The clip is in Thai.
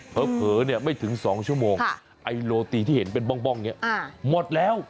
เผลอไม่ถึง๒ชั่วโมงไอโลตีที่เห็นเป็นบ้องเนี่ยหมดแล้ว